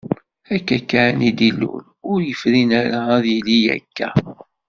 Akka kan i d-ilul, ur yefrin ara ad yili akka.